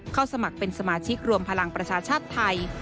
สมัครเป็นสมาชิกรวมพลังประชาชาติไทย